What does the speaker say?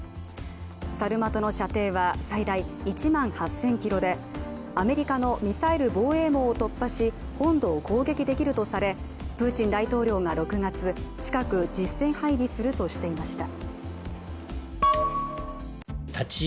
サルマトの射程は最大１万８０００ｋｍでアメリカのミサイル防衛網を突破し、本土を攻撃できるとされプーチン大統領が６月、近く実戦配備するとしていました。